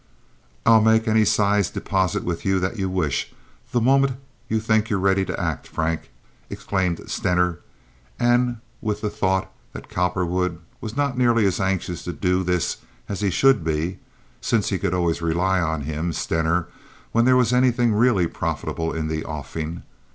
"I'll make any sized deposit with you that you wish, the moment you think you're ready to act, Frank," exclaimed Stener, and with the thought that Cowperwood was not nearly as anxious to do this as he should be, since he could always rely on him (Stener) when there was anything really profitable in the offing.